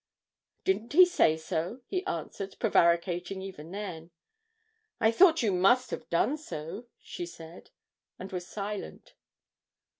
'Didn't he say so?' he answered, prevaricating even then. 'I thought you must have done so,' she said, and was silent.